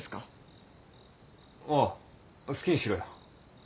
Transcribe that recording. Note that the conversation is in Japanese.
ああ好きにしろよ。